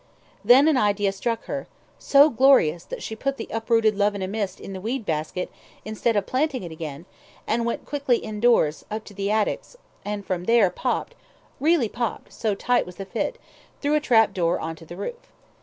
... Then an idea struck her, so glorious, that she put the uprooted love in a mist in the weed basket, instead of planting it again, and went quickly indoors, up to the attics, and from there popped really popped, so tight was the fit through a trap door on to the roof.